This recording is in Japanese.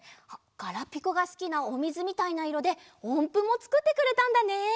ガラピコがすきなおみずみたいないろでおんぷもつくってくれたんだね。